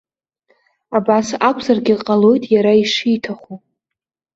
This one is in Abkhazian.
Абас акәзаргьы ҟалоит иара ишиҭаху.